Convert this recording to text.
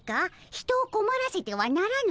人をこまらせてはならぬ。